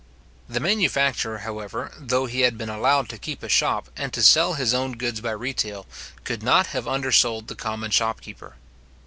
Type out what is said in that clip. The manufacturer, however, though he had been allowed to keep a shop, and to sell his own goods by retail, could not have undersold the common shopkeeper.